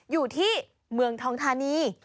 อยู่ที่เมืองทองธานี